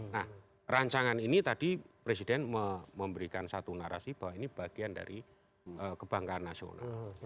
nah rancangan ini tadi presiden memberikan satu narasi bahwa ini bagian dari kebanggaan nasional